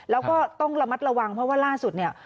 แล้วก็ต้องระมัดระวังเพราะว่าล่าสุดเนี่ย